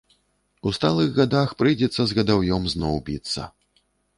У сталых гадах прыйдзецца з гадаўём зноў біцца.